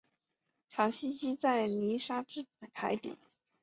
常栖息在泥沙质海底。